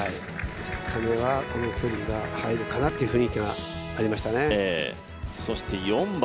２日目はこの距離が入るかなという雰囲気はありましたね。